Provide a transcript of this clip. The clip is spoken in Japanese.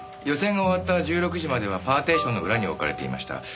予選が終わった１６時まではパーティションの裏に置かれていました。